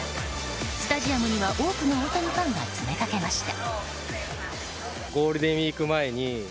スタジアムには多くの大谷ファンが詰めかけました。